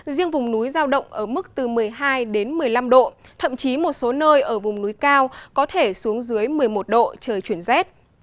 riêng vùng núi giao động ở mức từ một mươi hai đến một mươi năm độ thậm chí một số nơi ở vùng núi cao có thể xuống dưới một mươi một độ trời chuyển rét